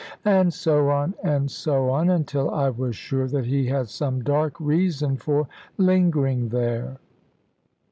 And so on, and so on; until I was sure that he had some dark reason for lingering there.